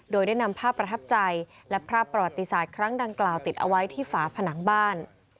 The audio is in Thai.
โดยได้นำภาพประทับใจและภาพประวัติศาสตร์ครั้งดังกล่าวติดเอาไว้ที่ฝาผนังบ้าน